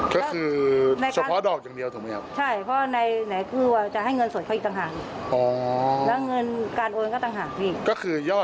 ก็คือเฉพาะดอกอย่างเดียวถูกไหมครับ